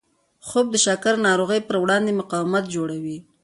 خوب د شکر ناروغۍ پر وړاندې مقاومت جوړوي